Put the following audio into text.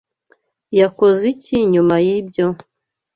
Yakoze iki nyuma yibyo?